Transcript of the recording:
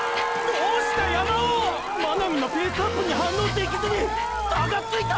どうした山王⁉真波のペースアップに反応できずに差がついた！！